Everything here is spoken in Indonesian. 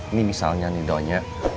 ini misalnya nih doi